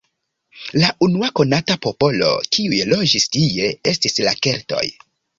La unua konata popolo, kiuj loĝis tie, estis la keltoj.